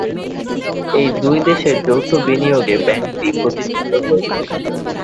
এই দুই দেশের যৌথ বিনিয়োগে ব্যাংকটি প্রতিষ্ঠিত হয়েছে।